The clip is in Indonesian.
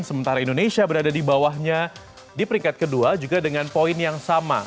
sementara indonesia berada di bawahnya di peringkat kedua juga dengan poin yang sama